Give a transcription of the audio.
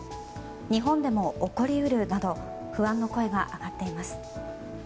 日本でも起こり得るなど不安の声が上がっています。